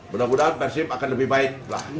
mudah mudahan persib akan lebih baik lah